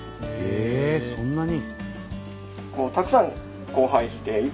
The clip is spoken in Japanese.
そんなに。